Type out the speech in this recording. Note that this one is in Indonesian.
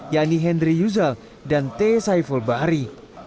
yang di hendri yuzal dan t saiful bahri